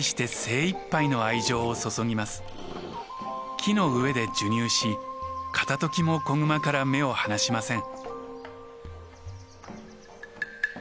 木の上で授乳し片ときも子グマから目を離しません。